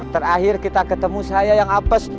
terakhir kita ketemu saya yang apes